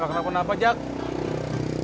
gak kenapa napa jack